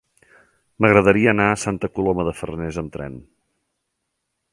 M'agradaria anar a Santa Coloma de Farners amb tren.